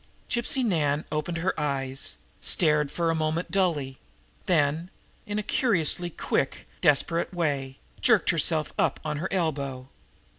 Gypsy Nan opened her eyes, stared for a moment dully, then, in a curiously quick, desperate way, jerked herself up on her elbow.